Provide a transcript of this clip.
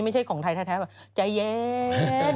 ไม่ใช่ของไทยแท้แบบใจเย็น